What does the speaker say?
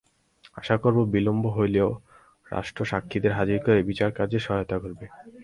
আশা করব, বিলম্বে হলেও রাষ্ট্রপক্ষ সাক্ষীদের হাজির করে বিচারকাজে সহায়তা করবে।